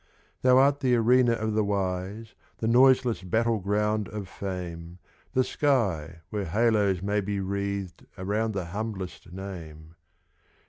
Thou art the arena of the wise, The noiseless battle ground of fame; The sky where halos may be wreathed Around the humblest name.